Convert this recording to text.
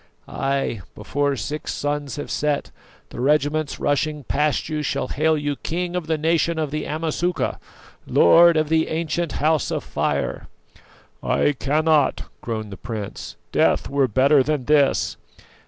Ay, before six suns have set, the regiments rushing past you shall hail you King of the Nation of the Amasuka, Lord of the ancient House of Fire!" "I cannot," groaned the prince; "death were better than this!"